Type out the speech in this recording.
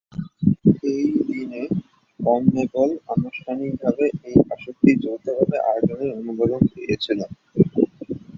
একই দিনে কনমেবল আনুষ্ঠানিকভাবে এই আসরটি যৌথভাবে আয়োজনের অনুমোদন দিয়েছিল।